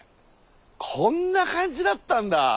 こんな感じだったんだ。